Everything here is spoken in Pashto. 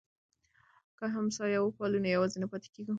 که همسایه وپالو نو یوازې نه پاتې کیږو.